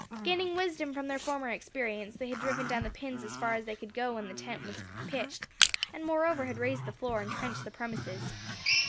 Gaining wisdom from their former experience, they had driven down the pins as far as they could go when the tent was pitched, and moreover had raised the floor and trenched the premises.